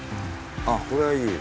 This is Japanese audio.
あっこれはいい。